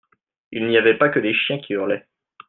Il n'y avait pas que des chiens qui hurlaient.